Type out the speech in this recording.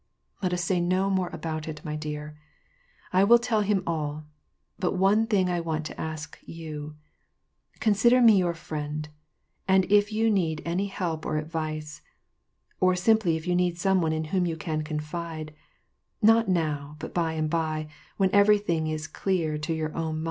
" Let us say no more about it, 'V dear, I will tell him all ; but one thing I want to ask you : asider me your friend, and if you need any help or advice, ^•^' simply if you need some one in whom you can confide — ^t now, but by and by, when everything is clear to your own